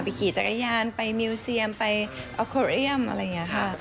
ขี่จักรยานไปมิวเซียมไปออโคเรียมอะไรอย่างนี้ค่ะ